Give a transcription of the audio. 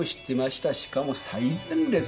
しかも最前列に。